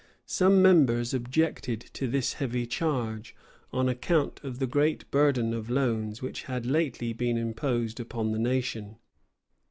Some members objected to this heavy charge, on account of the great burden of loans which had lately been imposed upon the nation.